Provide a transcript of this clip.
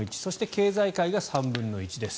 経済界が３分の１です。